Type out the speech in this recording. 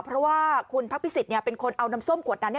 เพราะว่าคุณพักพิสิทธิ์เป็นคนเอาน้ำส้มขวดนั้น